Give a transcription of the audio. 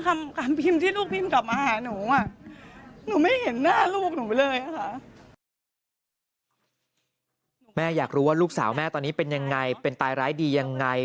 แม่อยากรู้ว่าลูกสาวแม่ตอนนี้เป็นยังไงเป็นตายร้ายดียังไง